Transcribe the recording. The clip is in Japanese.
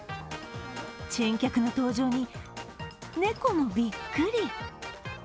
珍客の登場に、猫もびっくり。